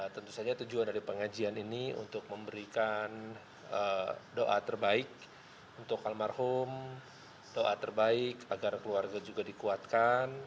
tentu saja tujuan dari pengajian ini untuk memberikan doa terbaik untuk almarhum doa terbaik agar keluarga juga dikuatkan